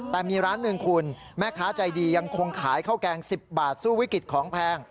แต่มีร้านหนึ่งคุณแม่ค้าใจดียังคงขายข้าวแกง๑๐บาทสู้วิกฤตของแพง